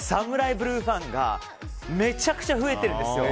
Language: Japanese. ブルーファンがめちゃくちゃ増えてるんですよ。